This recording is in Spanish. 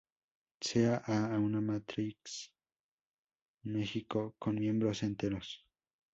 Sea A una matriz mxn con miembros enteros.